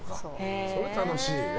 それは楽しいね。